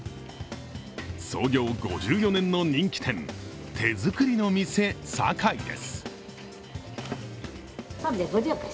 創業５４年の人気店手づくりの店さかいです。